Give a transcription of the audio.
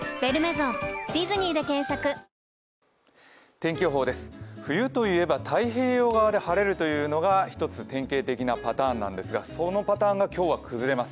天気予報です、冬と言えば太平洋側で晴れるというのが１つ典型的なパターンなんですがそのパターンが今日は崩れます。